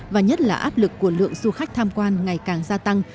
và nhất là áp lực của lượng du khách tham quan ngày càng gia tăng